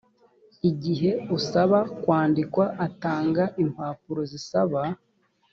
igihe usaba kwandikwa atanga impapuro zisaba